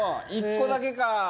１個だけか。